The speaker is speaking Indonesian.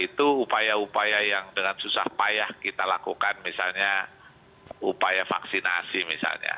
itu upaya upaya yang dengan susah payah kita lakukan misalnya upaya vaksinasi misalnya